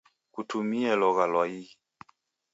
Kutumie logha lwa ighi.